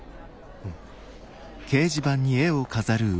うん。